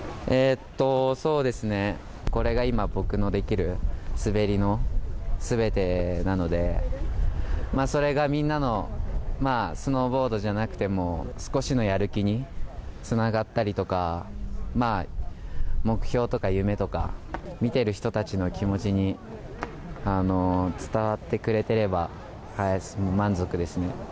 えーっと、そうですね、これが今、僕のできる滑りのすべてなので、それがみんなのスノーボードじゃなくても、少しのやる気につながったりとか、目標とか夢とか、見てる人たちの気持ちに、伝わってくれてれば満足ですね。